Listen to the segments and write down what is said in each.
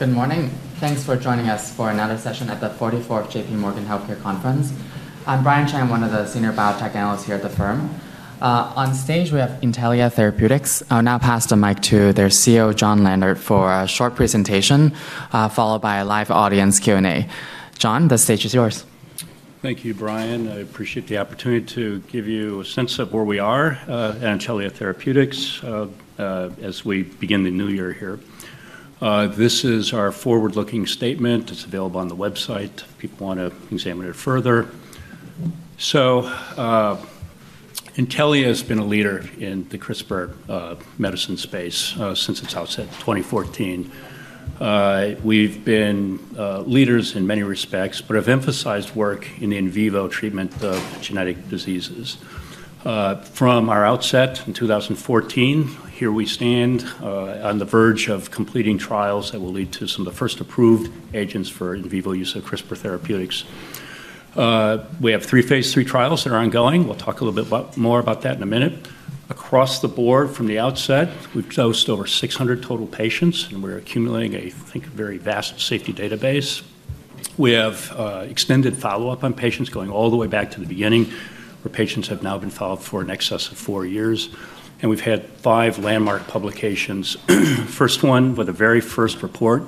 Good morning. Thanks for joining us for another session at the 44th JPMorgan Healthcare Conference. I'm Brian Cheng, one of the senior biotech analysts here at the firm. On stage, we have Intellia Therapeutics. I'll now pass the mic to their CEO, John Leonard, for a short presentation, followed by a live audience Q&A. John, the stage is yours. Thank you, Brian. I appreciate the opportunity to give you a sense of where we are at Intellia Therapeutics as we begin the new year here. This is our forward-looking statement. It's available on the website. People want to examine it further. So Intellia has been a leader in the CRISPR medicine space since its outset, 2014. We've been leaders in many respects, but have emphasized work in the in vivo treatment of genetic diseases. From our outset in 2014, here we stand on the verge of completing trials that will lead to some of the first approved agents for in vivo use of CRISPR therapeutics. We have three phase three trials that are ongoing. We'll talk a little bit more about that in a minute. Across the board, from the outset, we've dosed over 600 total patients, and we're accumulating a, I think, very vast safety database. We have extended follow-up on patients going all the way back to the beginning, where patients have now been followed for an excess of four years, and we've had five landmark publications. First one, with the very first report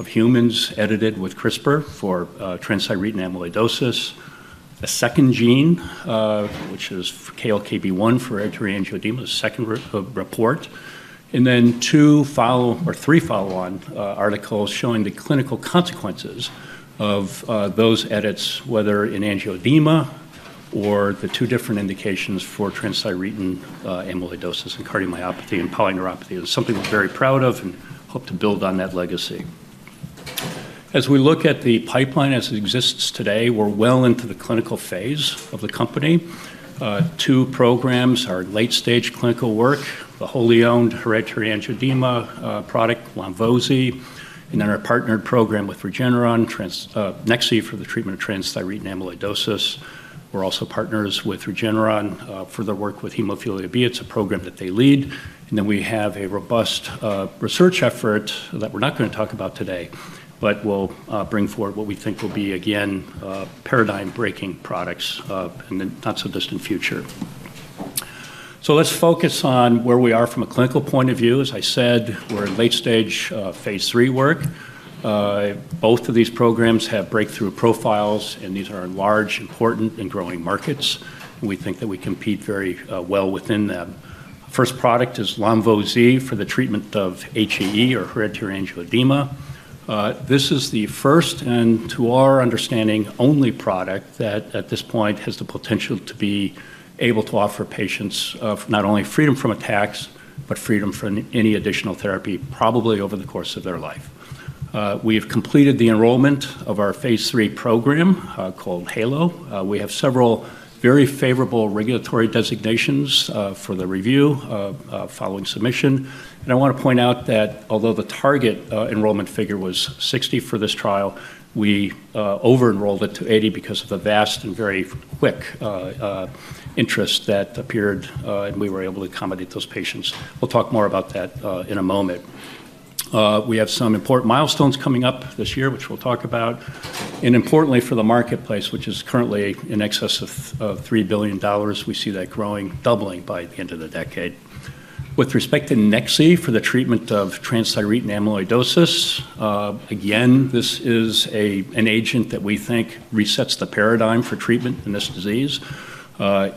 of humans edited with CRISPR for transthyretin amyloidosis. A second gene, which is KLKB1 for hereditary angioedema, the second report, and then two follow-up, or three follow-on articles showing the clinical consequences of those edits, whether in angioedema or the two different indications for transthyretin amyloidosis and cardiomyopathy and polyneuropathy, and something we're very proud of and hope to build on that legacy. As we look at the pipeline as it exists today, we're well into the clinical phase of the company. Two programs are late-stage clinical work, the wholly owned hereditary angioedema product Lombozi, and then our partnered program with Regeneron, Nexi for the treatment of transthyretin amyloidosis. We're also partners with Regeneron for their work with hemophilia B. It's a program that they lead. And then we have a robust research effort that we're not going to talk about today, but will bring forward what we think will be, again, paradigm-breaking products in the not-so-distant future. So let's focus on where we are from a clinical point of view. As I said, we're in late-stage phase three work. Both of these programs have breakthrough profiles, and these are in large, important, and growing markets. We think that we compete very well within them. First product is Lombozi for the treatment of HAE, or hereditary angioedema. This is the first, and to our understanding, only product that at this point has the potential to be able to offer patients not only freedom from attacks, but freedom from any additional therapy, probably over the course of their life. We have completed the enrollment of our phase 3 program called HAELO. We have several very favorable regulatory designations for the review following submission, and I want to point out that although the target enrollment figure was 60 for this trial, we over-enrolled it to 80 because of the vast and very quick interest that appeared, and we were able to accommodate those patients. We'll talk more about that in a moment. We have some important milestones coming up this year, which we'll talk about, and importantly, for the marketplace, which is currently in excess of $3 billion, we see that growing, doubling by the end of the decade. With respect to Nex-Z for the treatment of transthyretin amyloidosis, again, this is an agent that we think resets the paradigm for treatment in this disease. It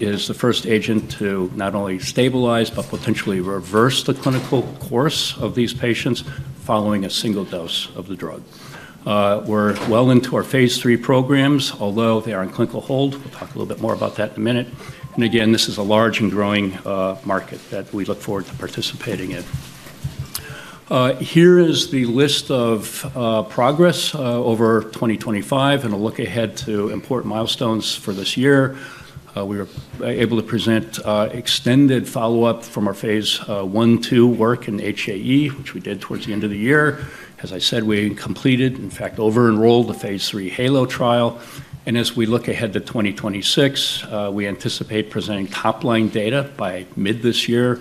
is the first agent to not only stabilize, but potentially reverse the clinical course of these patients following a single dose of the drug. We're well into our phase 3 programs, although they are in clinical hold. We'll talk a little bit more about that in a minute. And again, this is a large and growing market that we look forward to participating in. Here is the list of progress over 2025 and a look ahead to important milestones for this year. We were able to present extended follow-up from our phase 1-2 work in HAE, which we did towards the end of the year. As I said, we completed, in fact, over-enrolled the phase 3 Halo trial. As we look ahead to 2026, we anticipate presenting top-line data by mid this year,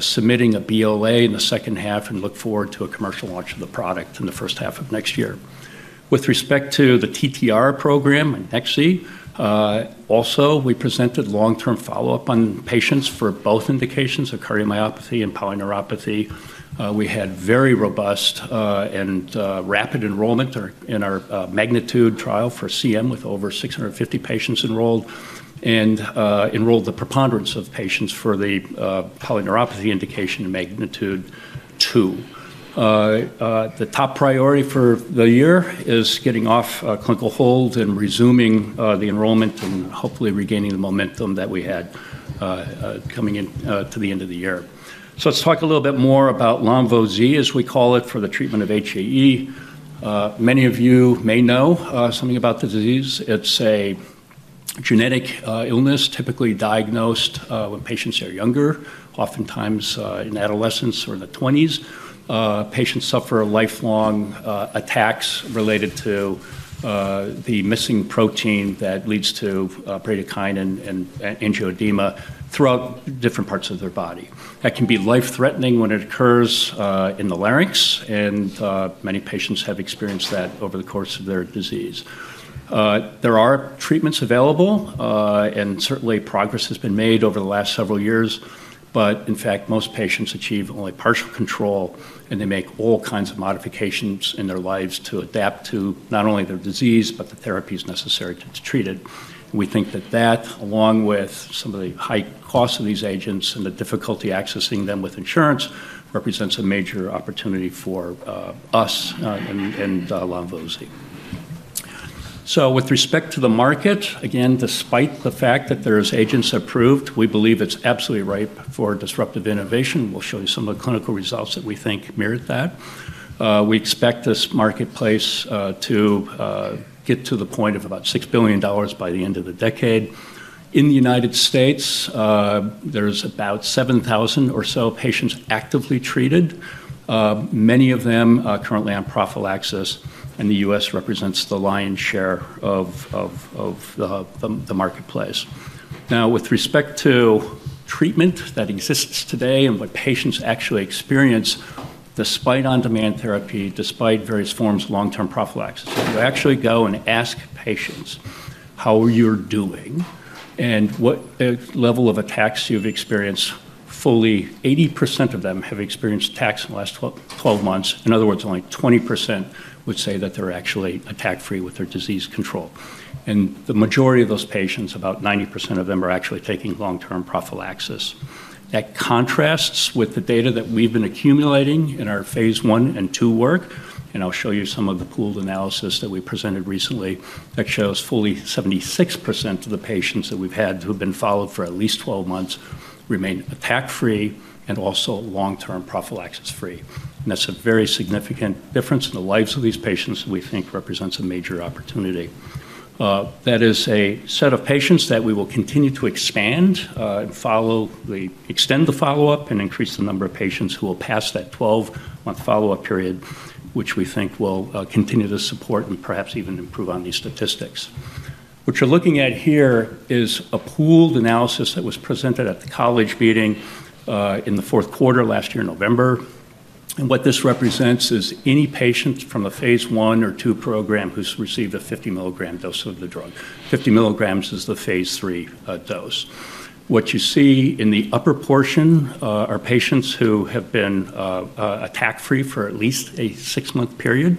submitting a BLA in the second half, and look forward to a commercial launch of the product in the first half of next year. With respect to the TTR program and Nexi, also, we presented long-term follow-up on patients for both indications of cardiomyopathy and polyneuropathy. We had very robust and rapid enrollment in our MAGNITUDE trial for CM with over 650 patients enrolled, and enrolled the preponderance of patients for the polyneuropathy indication and MAGNITUDE-2. The top priority for the year is getting off clinical hold and resuming the enrollment and hopefully regaining the momentum that we had coming into the end of the year. Let's talk a little bit more about Lombozi, as we call it, for the treatment of HAE. Many of you may know something about the disease. It's a genetic illness typically diagnosed when patients are younger, oftentimes in adolescence or in the 20s. Patients suffer lifelong attacks related to the missing protein that leads to bradycardia and angioedema throughout different parts of their body. That can be life-threatening when it occurs in the larynx, and many patients have experienced that over the course of their disease. There are treatments available, and certainly progress has been made over the last several years, but in fact, most patients achieve only partial control, and they make all kinds of modifications in their lives to adapt to not only their disease, but the therapies necessary to treat it. We think that that, along with some of the high costs of these agents and the difficulty accessing them with insurance, represents a major opportunity for us and Lombozi. So with respect to the market, again, despite the fact that there are agents approved, we believe it's absolutely ripe for disruptive innovation. We'll show you some of the clinical results that we think mirror that. We expect this marketplace to get to the point of about $6 billion by the end of the decade. In the United States, there are about 7,000 or so patients actively treated, many of them currently on prophylaxis, and the U.S. represents the lion's share of the marketplace. Now, with respect to treatment that exists today and what patients actually experience despite on-demand therapy, despite various forms of long-term prophylaxis, if you actually go and ask patients how you're doing and what level of attacks you've experienced, fully 80% of them have experienced attacks in the last 12 months. In other words, only 20% would say that they're actually attack-free with their disease control. And the majority of those patients, about 90% of them, are actually taking long-term prophylaxis. That contrasts with the data that we've been accumulating in our phase one and two work, and I'll show you some of the pooled analysis that we presented recently that shows fully 76% of the patients that we've had who have been followed for at least 12 months remain attack-free and also long-term prophylaxis-free. And that's a very significant difference in the lives of these patients that we think represents a major opportunity. That is a set of patients that we will continue to expand and extend the follow-up and increase the number of patients who will pass that 12-month follow-up period, which we think will continue to support and perhaps even improve on these statistics. What you're looking at here is a pooled analysis that was presented at the college meeting in the fourth quarter last year, November, and what this represents is any patient from a phase one or two program who's received a 50-milligram dose of the drug. 50 milligrams is the phase three dose. What you see in the upper portion are patients who have been attack-free for at least a six-month period,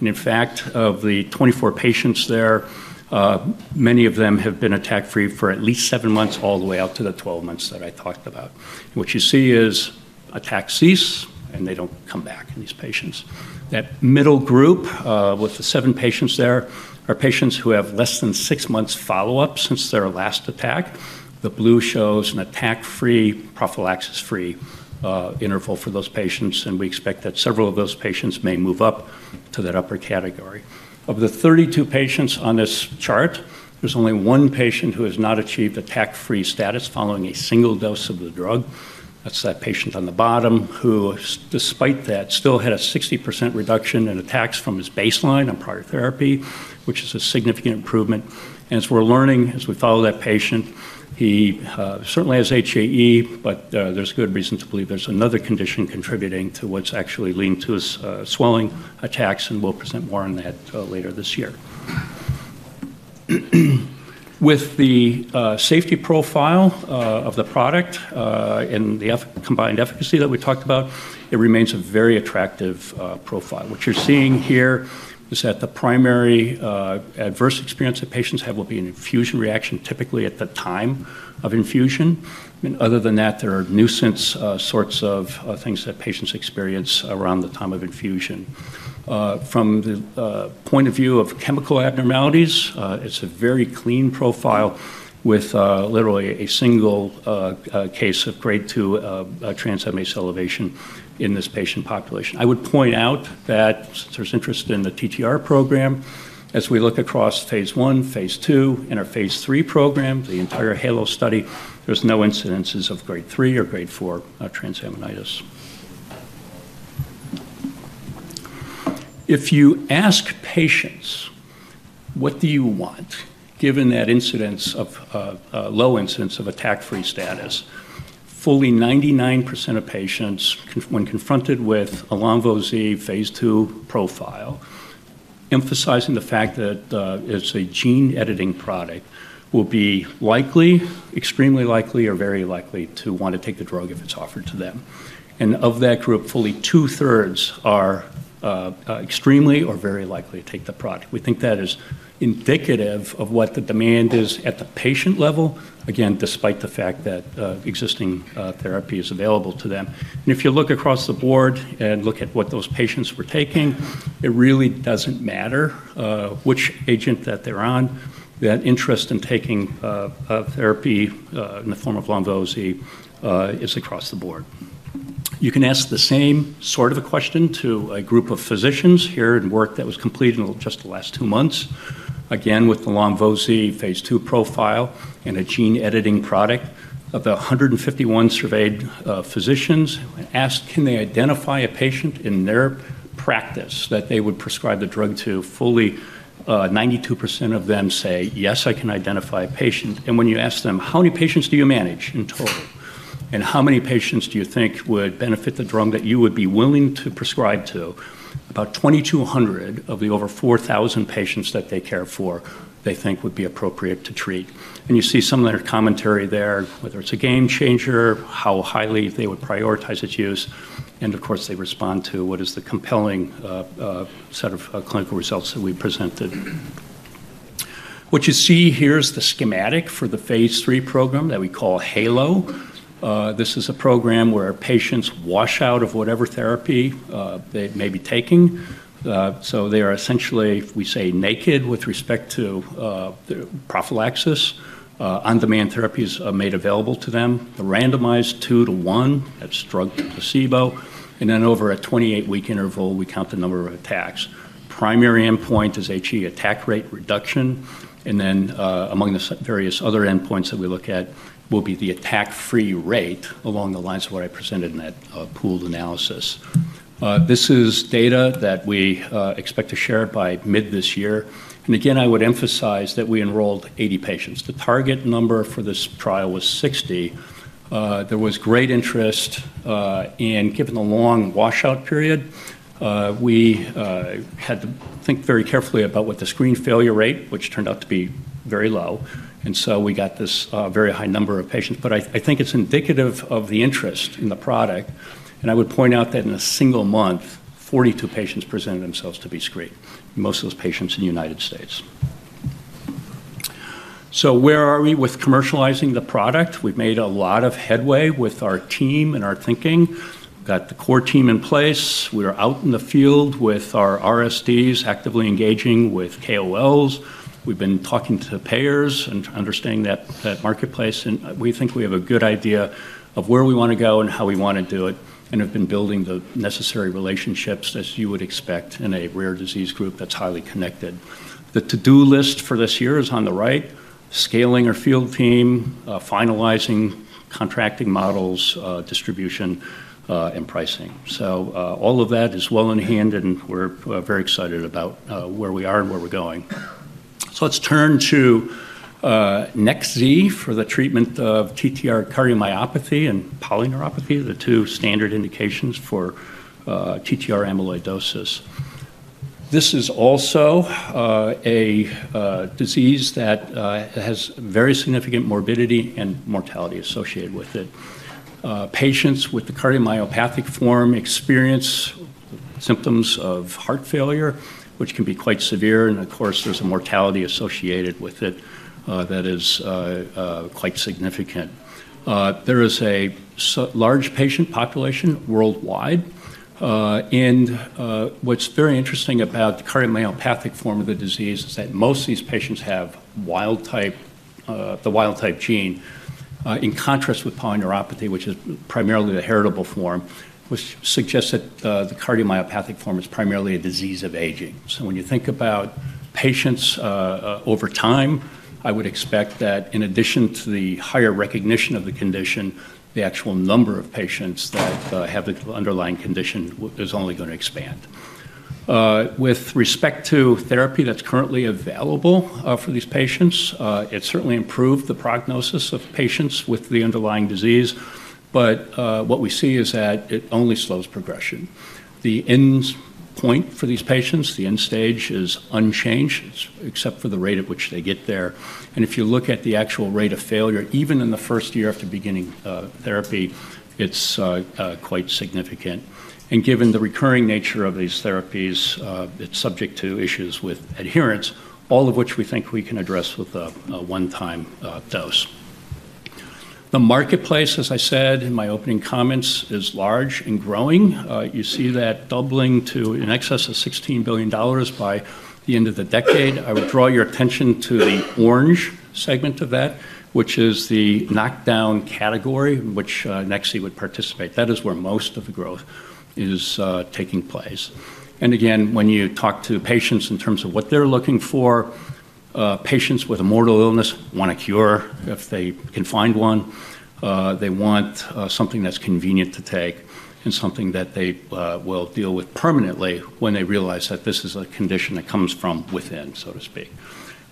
and in fact, of the 24 patients there, many of them have been attack-free for at least seven months all the way out to the 12 months that I talked about. What you see is attacks cease, and they don't come back in these patients. That middle group with the seven patients there are patients who have less than six months follow-up since their last attack. The blue shows an attack-free, prophylaxis-free interval for those patients, and we expect that several of those patients may move up to that upper category. Of the 32 patients on this chart, there's only one patient who has not achieved attack-free status following a single dose of the drug. That's that patient on the bottom who, despite that, still had a 60% reduction in attacks from his baseline on prior therapy, which is a significant improvement. And as we're learning, as we follow that patient, he certainly has HAE, but there's good reason to believe there's another condition contributing to what's actually leading to his swelling attacks, and we'll present more on that later this year. With the safety profile of the product and the combined efficacy that we talked about, it remains a very attractive profile. What you're seeing here is that the primary adverse experience that patients have will be an infusion reaction typically at the time of infusion. And other than that, there are nuisance sorts of things that patients experience around the time of infusion. From the point of view of chemical abnormalities, it's a very clean profile with literally a single case of grade two transaminases elevation in this patient population. I would point out that there's interest in the TTR program. As we look across phase one, phase two, and our phase three program, the entire Halo study, there's no incidences of grade three or grade four transaminitis. If you ask patients, "What do you want?" Given that low incidence of attack-free status, fully 99% of patients, when confronted with a Lombozi phase 2 profile, emphasizing the fact that it's a gene-editing product, will be likely, extremely likely, or very likely to want to take the drug if it's offered to them, and of that group, fully two-thirds are extremely or very likely to take the product. We think that is indicative of what the demand is at the patient level, again, despite the fact that existing therapy is available to them, and if you look across the board and look at what those patients were taking, it really doesn't matter which agent that they're on. That interest in taking therapy in the form of Lombozi is across the board. You can ask the same sort of a question to a group of physicians here in work that was completed just the last two months, again, with the Lombozi phase 2 profile and a gene-editing product. Of the 151 surveyed physicians, when asked, "Can they identify a patient in their practice that they would prescribe the drug to?" Fully 92% of them say, "Yes, I can identify a patient." And when you ask them, "How many patients do you manage in total? And how many patients do you think would benefit the drug that you would be willing to prescribe to?" About 2,200 of the over 4,000 patients that they care for, they think would be appropriate to treat. And you see some of their commentary there, whether it's a game changer, how highly they would prioritize its use. Of course, they respond to what is the compelling set of clinical results that we presented. What you see here is the schematic for the phase three program that we call Halo. This is a program where patients wash out of whatever therapy they may be taking. So they are essentially, we say, naked with respect to prophylaxis. On-demand therapies are made available to them, randomized two to one that's drug to placebo. And then over a 28-week interval, we count the number of attacks. Primary endpoint is HAE attack rate reduction. And then among the various other endpoints that we look at will be the attack-free rate along the lines of what I presented in that pooled analysis. This is data that we expect to share by mid this year. And again, I would emphasize that we enrolled 80 patients. The target number for this trial was 60. There was great interest, and given the long washout period, we had to think very carefully about what the screen failure rate, which turned out to be very low, and so we got this very high number of patients, but I think it's indicative of the interest in the product, and I would point out that in a single month, 42 patients presented themselves to be screened, most of those patients in the United States, so where are we with commercializing the product? We've made a lot of headway with our team and our thinking. We've got the core team in place. We are out in the field with our RSDs actively engaging with KOLs. We've been talking to payers and understanding that marketplace. And we think we have a good idea of where we want to go and how we want to do it and have been building the necessary relationships, as you would expect in a rare disease group that's highly connected. The to-do list for this year is on the right: scaling our field team, finalizing contracting models, distribution, and pricing. So all of that is well in hand, and we're very excited about where we are and where we're going. So let's turn to Nexi for the treatment of TTR cardiomyopathy and polyneuropathy, the two standard indications for TTR amyloidosis. This is also a disease that has very significant morbidity and mortality associated with it. Patients with the cardiomyopathic form experience symptoms of heart failure, which can be quite severe. And of course, there's a mortality associated with it that is quite significant. There is a large patient population worldwide. What's very interesting about the cardiomyopathic form of the disease is that most of these patients have the wild type gene in contrast with polyneuropathy, which is primarily the heritable form, which suggests that the cardiomyopathic form is primarily a disease of aging. When you think about patients over time, I would expect that in addition to the higher recognition of the condition, the actual number of patients that have the underlying condition is only going to expand. With respect to therapy that's currently available for these patients, it certainly improved the prognosis of patients with the underlying disease, but what we see is that it only slows progression. The end point for these patients, the end stage, is unchanged, except for the rate at which they get there. And if you look at the actual rate of failure, even in the first year after beginning therapy, it's quite significant. And given the recurring nature of these therapies, it's subject to issues with adherence, all of which we think we can address with a one-time dose. The marketplace, as I said in my opening comments, is large and growing. You see that doubling to in excess of $16 billion by the end of the decade. I would draw your attention to the orange segment of that, which is the knockdown category in which Nexi would participate. That is where most of the growth is taking place. And again, when you talk to patients in terms of what they're looking for, patients with a mortal illness want a cure if they can find one. They want something that's convenient to take and something that they will deal with permanently when they realize that this is a condition that comes from within, so to speak.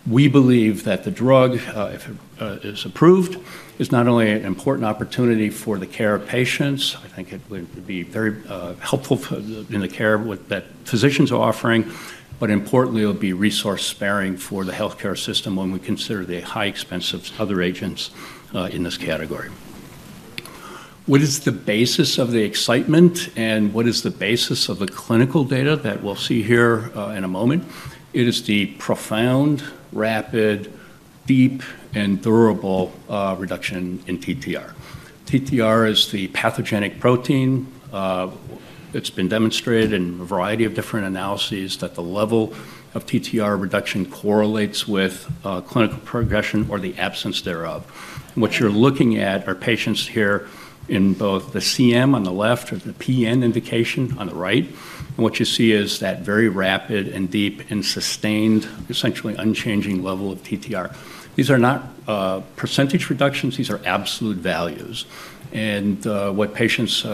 We believe that the drug, if it is approved, is not only an important opportunity for the care of patients. I think it would be very helpful in the care that physicians are offering, but importantly, it'll be resource-sparing for the healthcare system when we consider the high expense of other agents in this category. What is the basis of the excitement, and what is the basis of the clinical data that we'll see here in a moment? It is the profound, rapid, deep, and durable reduction in TTR. TTR is the pathogenic protein. It's been demonstrated in a variety of different analyses that the level of TTR reduction correlates with clinical progression or the absence thereof. What you're looking at are patients here in both the CM on the left or the PN indication on the right. And what you see is that very rapid and deep and sustained, essentially unchanging level of TTR. These are not percentage reductions. These are absolute values. And what patients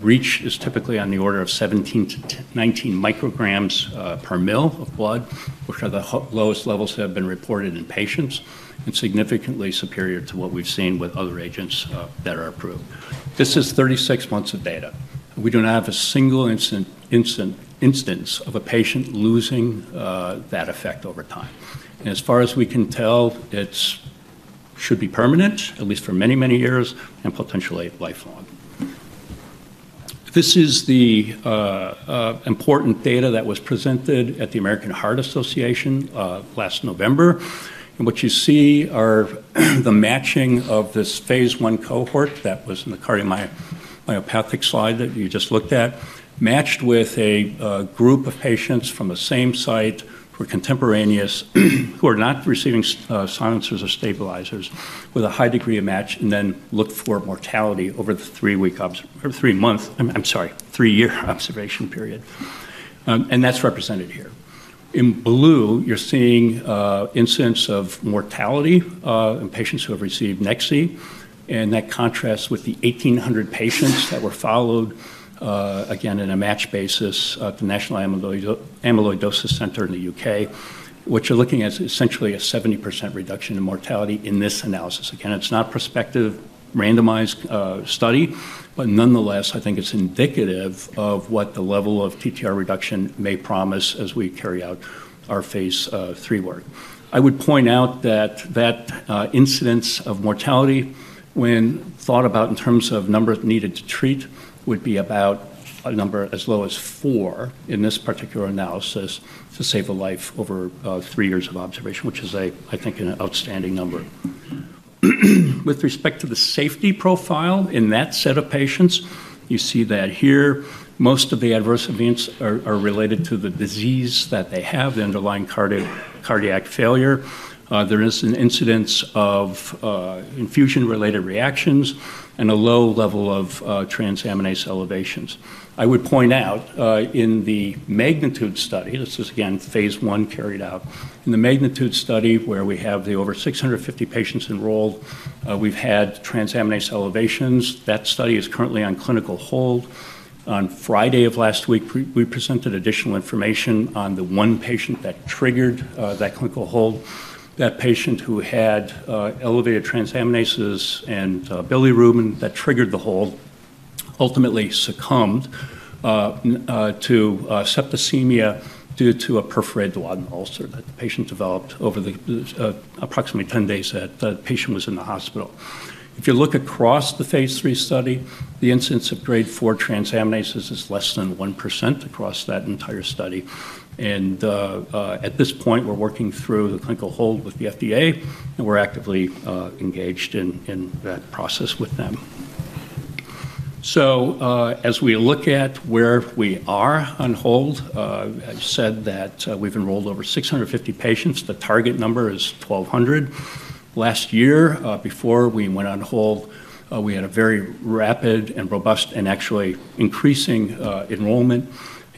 reach is typically on the order of 17-19 micrograms per milliliter of blood, which are the lowest levels that have been reported in patients and significantly superior to what we've seen with other agents that are approved. This is 36 months of data. We do not have a single instance of a patient losing that effect over time. And as far as we can tell, it should be permanent, at least for many, many years and potentially lifelong. This is the important data that was presented at the American Heart Association last November. What you see are the matching of this phase one cohort that was in the cardiomyopathic slide that you just looked at, matched with a group of patients from the same site who are contemporaneous, who are not receiving silencers or stabilizers, with a high degree of match and then look for mortality over the three-month, I'm sorry, three-year observation period. That's represented here. In blue, you're seeing incidents of mortality in patients who have received Nexi, and that contrasts with the 1,800 patients that were followed, again, on a match basis at the National Amyloidosis Center in the U.K., which you're looking at essentially a 70% reduction in mortality in this analysis. Again, it's not a prospective randomized study, but nonetheless, I think it's indicative of what the level of TTR reduction may promise as we carry out our phase three work. I would point out that that incidence of mortality, when thought about in terms of numbers needed to treat, would be about a number as low as four in this particular analysis to save a life over three years of observation, which is, I think, an outstanding number. With respect to the safety profile in that set of patients, you see that here, most of the adverse events are related to the disease that they have, the underlying cardiac failure. There is an incidence of infusion-related reactions and a low level of transaminase elevations. I would point out in the Magnitude study, this is again phase 1 carried out. In the Magnitude study where we have the over 650 patients enrolled, we've had transaminase elevations. That study is currently on clinical hold. On Friday of last week, we presented additional information on the one patient that triggered that clinical hold. That patient who had elevated transaminases and bilirubin that triggered the hold ultimately succumbed to septicemia due to a perforated duodenal ulcer that the patient developed over approximately 10 days that the patient was in the hospital. If you look across the phase 3 study, the incidence of grade 4 transaminases is less than 1% across that entire study. And at this point, we're working through the clinical hold with the FDA, and we're actively engaged in that process with them. So as we look at where we are on hold, I said that we've enrolled over 650 patients. The target number is 1,200. Last year, before we went on hold, we had a very rapid and robust and actually increasing enrollment.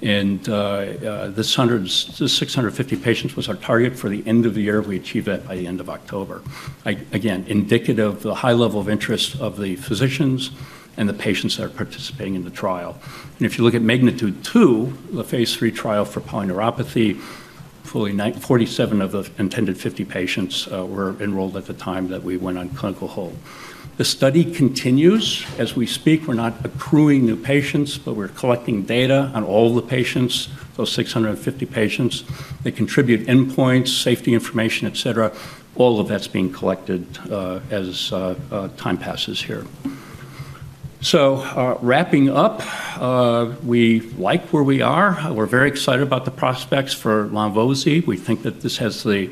And this 650 patients was our target for the end of the year. We achieved that by the end of October. Again, indicative of the high level of interest of the physicians and the patients that are participating in the trial. And if you look at Magnitude-2, the phase 3 trial for polyneuropathy, fully 47 of the intended 50 patients were enrolled at the time that we went on clinical hold. The study continues as we speak. We're not accruing new patients, but we're collecting data on all the patients, those 650 patients. They contribute endpoints, safety information, etc. All of that's being collected as time passes here. So wrapping up, we like where we are. We're very excited about the prospects for Lombozi. We think that this has the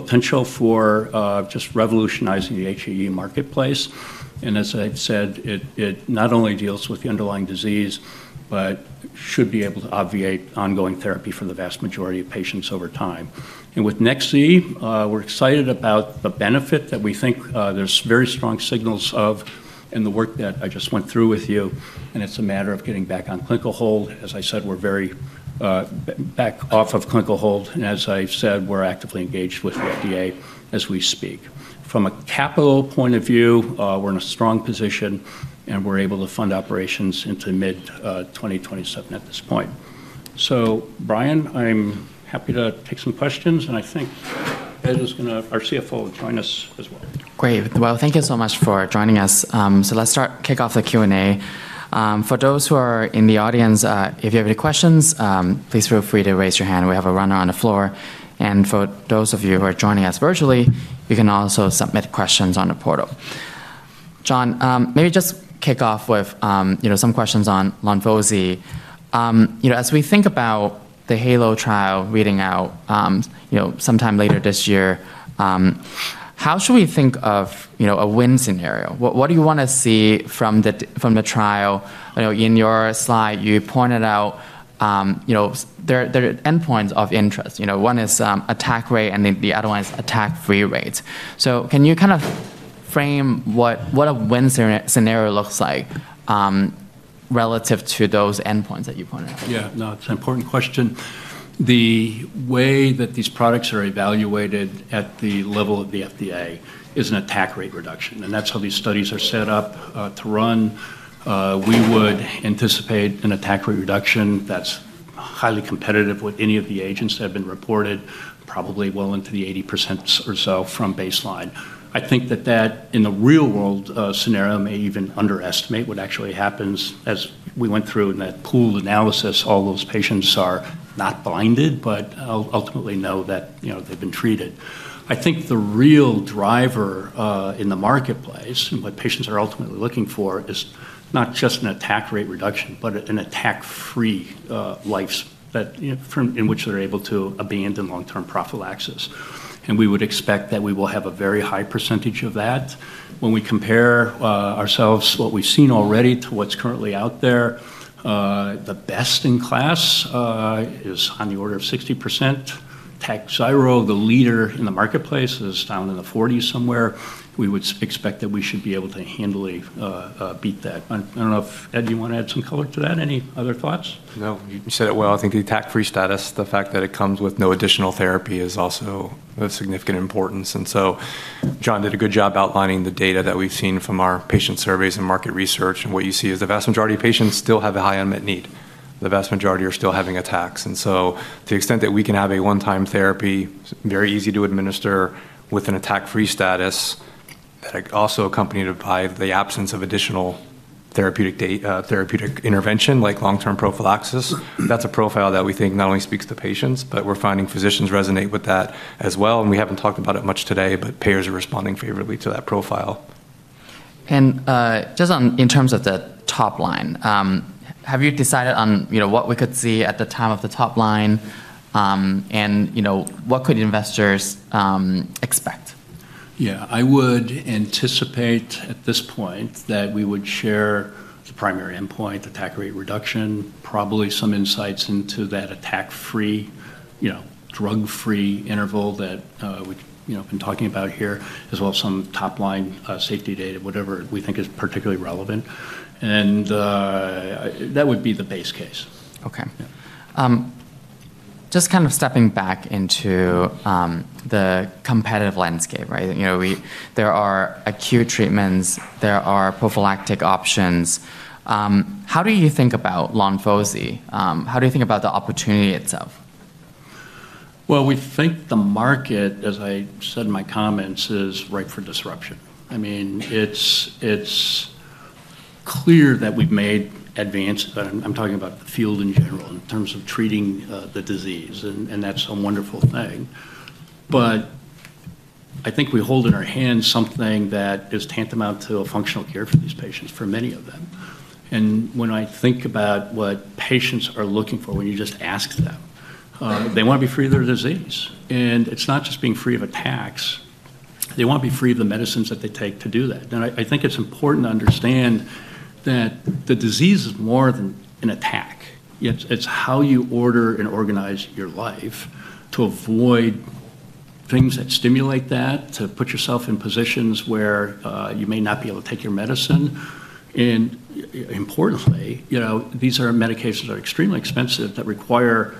potential for just revolutionizing the HAE marketplace. And as I said, it not only deals with the underlying disease, but should be able to obviate ongoing therapy for the vast majority of patients over time. And with Nexi, we're excited about the benefit that we think there's very strong signals of in the work that I just went through with you. And it's a matter of getting back on clinical hold. As I said, we're very back off of clinical hold. And as I said, we're actively engaged with the FDA as we speak. From a capital point of view, we're in a strong position, and we're able to fund operations into mid-2027 at this point. So Brian, I'm happy to take some questions. And I think Ed, our CFO, is going to join us as well. Great. Well, thank you so much for joining us. So let's kick off the Q&A. For those who are in the audience, if you have any questions, please feel free to raise your hand. We have a runner on the floor. And for those of you who are joining us virtually, you can also submit questions on the portal. John, maybe just kick off with some questions on Lombozi. As we think about the Halo trial reading out sometime later this year, how should we think of a win scenario? What do you want to see from the trial? In your slide, you pointed out there are endpoints of interest. One is attack rate and the other one is attack-free rates. So can you kind of frame what a win scenario looks like relative to those endpoints that you pointed out? Yeah, no, it's an important question. The way that these products are evaluated at the level of the FDA is an attack rate reduction, and that's how these studies are set up to run. We would anticipate an attack rate reduction that's highly competitive with any of the agents that have been reported, probably well into the 80% or so from baseline. I think that that, in the real-world scenario, may even underestimate what actually happens as we went through in that pooled analysis. All those patients are not blinded, but ultimately know that they've been treated. I think the real driver in the marketplace and what patients are ultimately looking for is not just an attack rate reduction, but an attack-free life in which they're able to abandon long-term prophylaxis, and we would expect that we will have a very high percentage of that. When we compare ourselves, what we've seen already to what's currently out there, the best in class is on the order of 60%. Takhzyro, the leader in the marketplace, is down in the 40s% somewhere. We would expect that we should be able to handily beat that. I don't know if Ed, you want to add some color to that? Any other thoughts? No, you said it well. I think the attack-free status, the fact that it comes with no additional therapy, is also of significant importance, and so John did a good job outlining the data that we've seen from our patient surveys and market research, and what you see is the vast majority of patients still have a high unmet need. The vast majority are still having attacks, and so to the extent that we can have a one-time therapy, very easy to administer with an attack-free status, also accompanied by the absence of additional therapeutic intervention like long-term prophylaxis, that's a profile that we think not only speaks to patients, but we're finding physicians resonate with that as well, and we haven't talked about it much today, but payers are responding favorably to that profile. Just in terms of the top line, have you decided on what we could see at the time of the top line and what could investors expect? Yeah, I would anticipate at this point that we would share the primary endpoint, attack rate reduction, probably some insights into that attack-free, drug-free interval that we've been talking about here, as well as some top-line safety data, whatever we think is particularly relevant. And that would be the base case. Okay. Just kind of stepping back into the competitive landscape, right? There are acute treatments. There are prophylactic options. How do you think about Lombozi? How do you think about the opportunity itself? We think the market, as I said in my comments, is ripe for disruption. I mean, it's clear that we've made advances, but I'm talking about the field in general, in terms of treating the disease. And that's a wonderful thing. But I think we hold in our hands something that is tantamount to a functional cure for these patients, for many of them. And when I think about what patients are looking for, when you just ask them, they want to be free of their disease. And it's not just being free of attacks. They want to be free of the medicines that they take to do that. And I think it's important to understand that the disease is more than an attack. It's how you order and organize your life to avoid things that stimulate that, to put yourself in positions where you may not be able to take your medicine. And importantly, these medications are extremely expensive that require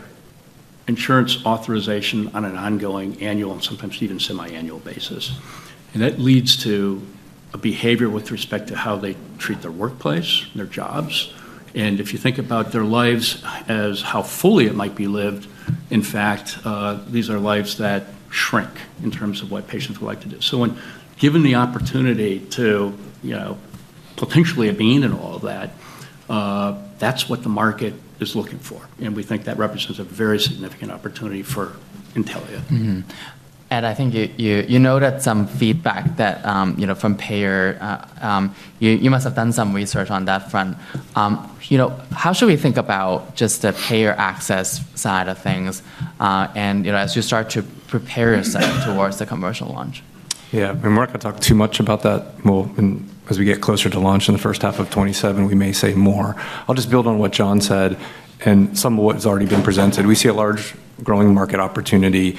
insurance authorization on an ongoing annual and sometimes even semiannual basis. And that leads to a behavior with respect to how they treat their workplace, their jobs. And if you think about their lives as how fully it might be lived, in fact, these are lives that shrink in terms of what patients would like to do. So when given the opportunity to potentially abandon all of that, that's what the market is looking for. And we think that represents a very significant opportunity for Intellia. Ed, I think you noted some feedback from payer. You must have done some research on that front. How should we think about just the payer access side of things as you start to prepare yourself towards the commercial launch? Yeah, I mean, we're not going to talk too much about that. As we get closer to launch in the first half of 2027, we may say more. I'll just build on what John said and some of what has already been presented. We see a large growing market opportunity.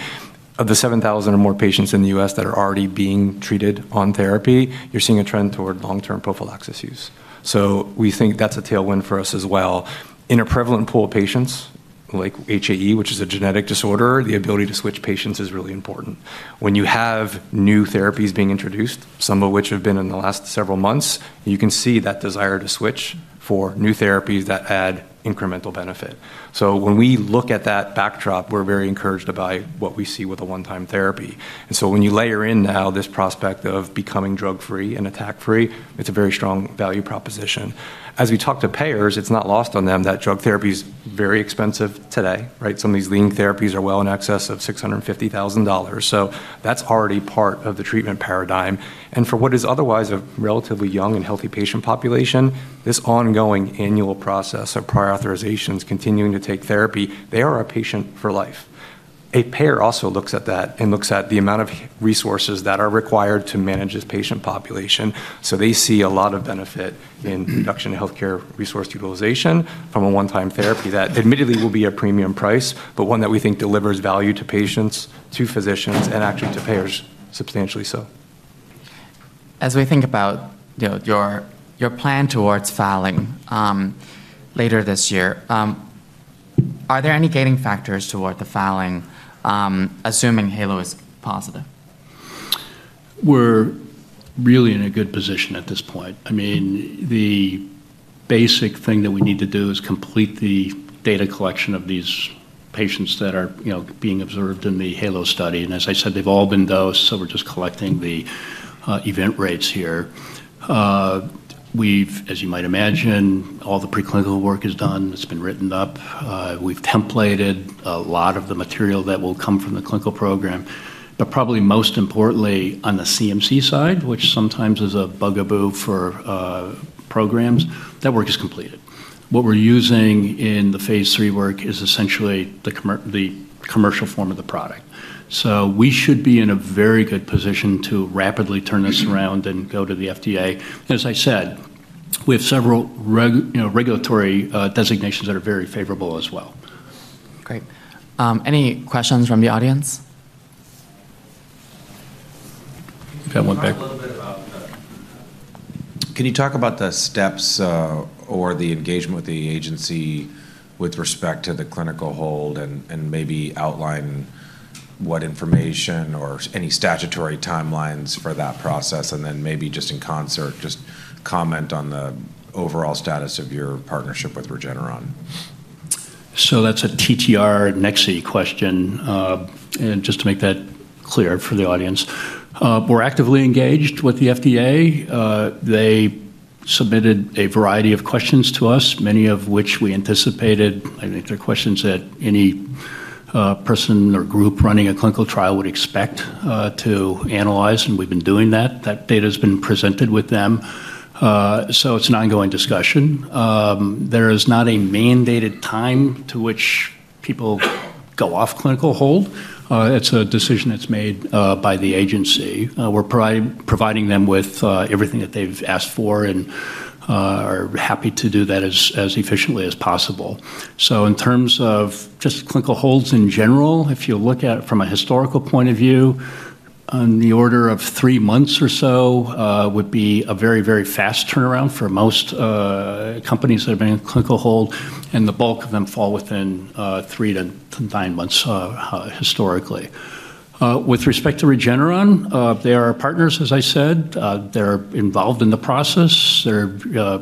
Of the 7,000 or more patients in the U.S. that are already being treated on therapy, you're seeing a trend toward long-term prophylaxis use. So we think that's a tailwind for us as well. In a prevalent pool of patients like HAE, which is a genetic disorder, the ability to switch patients is really important. When you have new therapies being introduced, some of which have been in the last several months, you can see that desire to switch for new therapies that add incremental benefit. So when we look at that backdrop, we're very encouraged by what we see with a one-time therapy. And so when you layer in now this prospect of becoming drug-free and attack-free, it's a very strong value proposition. As we talk to payers, it's not lost on them that drug therapy is very expensive today, right? Some of these IV therapies are well in excess of $650,000. So that's already part of the treatment paradigm. And for what is otherwise a relatively young and healthy patient population, this ongoing annual process of prior authorizations, continuing to take therapy, they are a patient for life. A payer also looks at that and looks at the amount of resources that are required to manage this patient population. So they see a lot of benefit in reduction of healthcare resource utilization from a one-time therapy that admittedly will be a premium price, but one that we think delivers value to patients, to physicians, and actually to payers substantially so. As we think about your plan towards filing later this year, are there any gating factors toward the filing, assuming Halo is positive? We're really in a good position at this point. I mean, the basic thing that we need to do is complete the data collection of these patients that are being observed in the Halo study. And as I said, they've all been dosed, so we're just collecting the event rates here. As you might imagine, all the preclinical work is done. It's been written up. We've templated a lot of the material that will come from the clinical program. But probably most importantly, on the CMC side, which sometimes is a bugaboo for programs, that work is completed. What we're using in the phase three work is essentially the commercial form of the product. So we should be in a very good position to rapidly turn this around and go to the FDA. As I said, we have several regulatory designations that are very favorable as well. Great. Any questions from the audience? Can you talk about the steps or the engagement with the agency with respect to the clinical hold and maybe outline what information or any statutory timelines for that process? And then maybe just in concert, just comment on the overall status of your partnership with Regeneron. That's a TTR Nexi question. Just to make that clear for the audience, we're actively engaged with the FDA. They submitted a variety of questions to us, many of which we anticipated. I think they're questions that any person or group running a clinical trial would expect to analyze. We've been doing that. That data has been presented with them. It's an ongoing discussion. There is not a mandated time to which people go off clinical hold. It's a decision that's made by the agency. We're providing them with everything that they've asked for and are happy to do that as efficiently as possible. So in terms of just clinical holds in general, if you look at it from a historical point of view, on the order of three months or so would be a very, very fast turnaround for most companies that have been in clinical hold. And the bulk of them fall within three to nine months historically. With respect to Regeneron, they are our partners, as I said. They're involved in the process. They're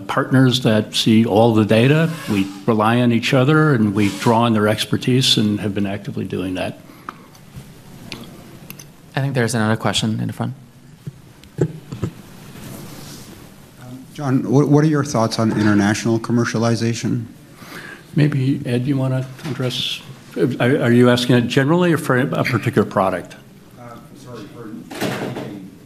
partners that see all the data. We rely on each other, and we draw on their expertise and have been actively doing that. I think there's another question in the front. John, what are your thoughts on international commercialization? Maybe Ed, you want to address? Are you asking it generally or for a particular product? Sorry,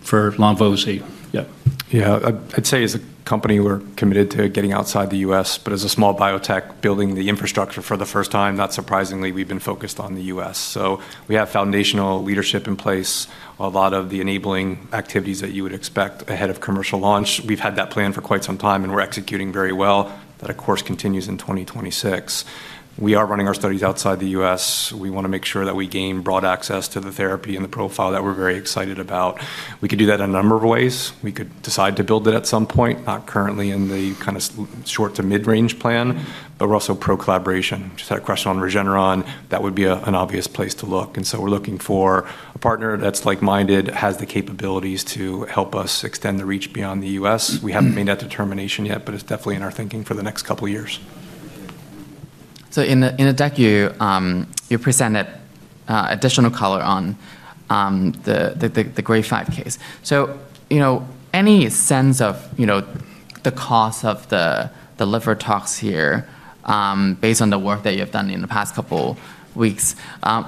for Lombozi. Yeah. Yeah, I'd say as a company, we're committed to getting outside the U.S. But as a small biotech building the infrastructure for the first time, not surprisingly, we've been focused on the U.S. So we have foundational leadership in place, a lot of the enabling activities that you would expect ahead of commercial launch. We've had that plan for quite some time, and we're executing very well. That, of course, continues in 2026. We are running our studies outside the U.S. We want to make sure that we gain broad access to the therapy and the profile that we're very excited about. We could do that in a number of ways. We could decide to build it at some point, not currently in the kind of short to mid-range plan, but we're also pro-collaboration. Just had a question on Regeneron. That would be an obvious place to look, and so we're looking for a partner that's like-minded, has the capabilities to help us extend the reach beyond the U.S. We haven't made that determination yet, but it's definitely in our thinking for the next couple of years. So in the deck, you presented additional color on the Grade 4 case. So any sense of the cause of the liver tox here based on the work that you have done in the past couple of weeks?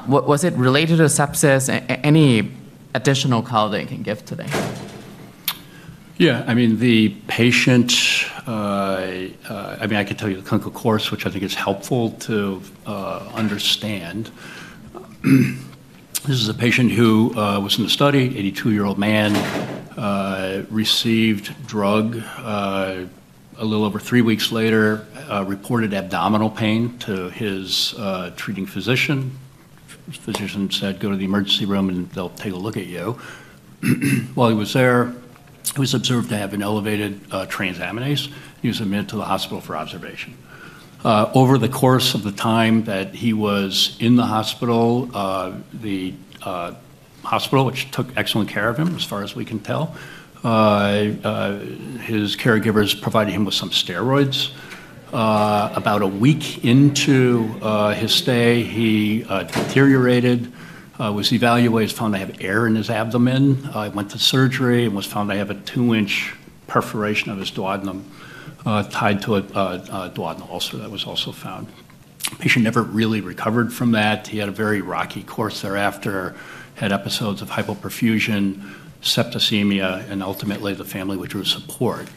Was it related to sepsis? Any additional color that you can give today? Yeah, I mean, the patient, I mean, I could tell you the clinical course, which I think is helpful to understand. This is a patient who was in the study, 82-year-old man, received drug a little over three weeks later, reported abdominal pain to his treating physician. His physician said, "Go to the emergency room and they'll take a look at you." While he was there, he was observed to have an elevated transaminase. He was admitted to the hospital for observation. Over the course of the time that he was in the hospital, which took excellent care of him, as far as we can tell, his caregivers provided him with some steroids. About a week into his stay, he deteriorated, was evaluated, was found to have air in his abdomen. He went to surgery and was found to have a two-inch perforation of his duodenum tied to a duodenal ulcer that was also found. The patient never really recovered from that. He had a very rocky course thereafter, had episodes of hypoperfusion, septicemia, and ultimately the family withdrew support.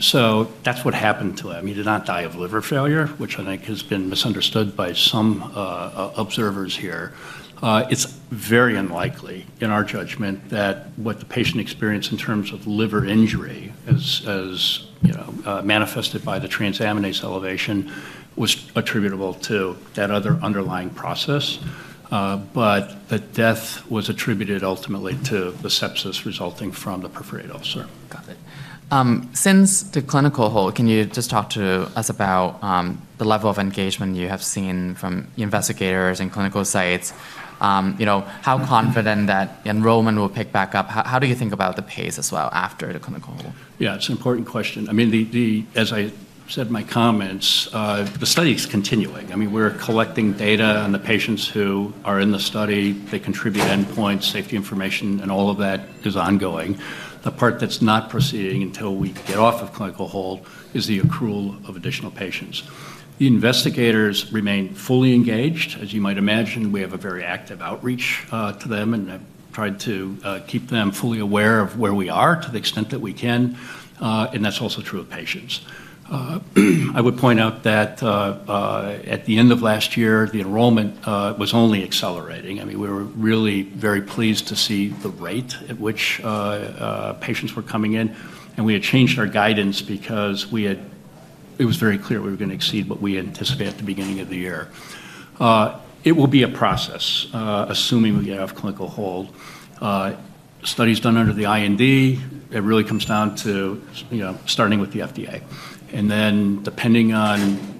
So that's what happened to him. He did not die of liver failure, which I think has been misunderstood by some observers here. It's very unlikely in our judgment that what the patient experienced in terms of liver injury as manifested by the transaminase elevation was attributable to that other underlying process. But the death was attributed ultimately to the sepsis resulting from the perforated ulcer. Got it. Since the clinical hold, can you just talk to us about the level of engagement you have seen from investigators and clinical sites? How confident that enrollment will pick back up? How do you think about the pace as well after the clinical hold? Yeah, it's an important question. I mean, as I said in my comments, the study is continuing. I mean, we're collecting data on the patients who are in the study. They contribute endpoints, safety information, and all of that is ongoing. The part that's not proceeding until we get off of clinical hold is the accrual of additional patients. The investigators remain fully engaged. As you might imagine, we have a very active outreach to them and have tried to keep them fully aware of where we are to the extent that we can, and that's also true of patients. I would point out that at the end of last year, the enrollment was only accelerating. I mean, we were really very pleased to see the rate at which patients were coming in. And we had changed our guidance because it was very clear we were going to exceed what we anticipated at the beginning of the year. It will be a process, assuming we get off clinical hold. Studies done under the IND, it really comes down to starting with the FDA. And then depending on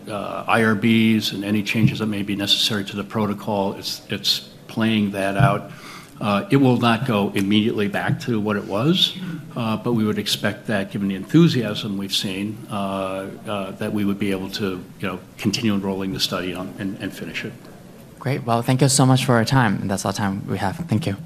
IRBs and any changes that may be necessary to the protocol, it's playing that out. It will not go immediately back to what it was, but we would expect that given the enthusiasm we've seen, that we would be able to continue enrolling the study and finish it. Great. Well, thank you so much for your time. That's all the time we have. Thank you.